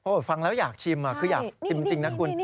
ฟังแล้วอยากชิมคืออยากชิมจริงนะคุณ